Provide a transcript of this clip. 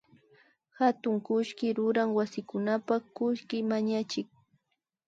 Hatun kullki ruran wasikunapak kullki mañachik